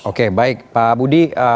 oke baik pak budi